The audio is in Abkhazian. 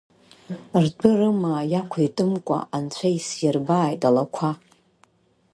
Ртәы-рымаа иақәиҭымкәа анцәа исирбааит, алақәа…